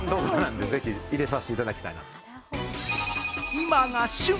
今が旬！